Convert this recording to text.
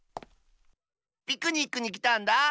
ピクニックにきたんだ。